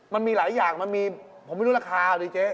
มันมีแต่เขี๊ยวฟ้าวเขี็ยว